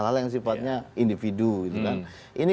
nah seperti bpn dan tng